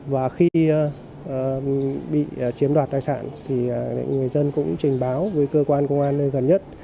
và khi bị chiếm đoạt tài sản người dân cũng trình báo với cơ quan công an gần nhất